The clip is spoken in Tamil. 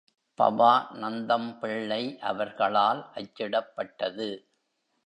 பவாநந்தம் பிள்ளை அவர்களால் அச்சிடப்பட்டது.